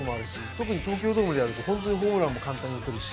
特に東京ドームでやるとホントにホームランも簡単に打てるし。